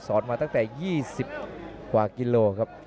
มาตั้งแต่๒๐กว่ากิโลครับ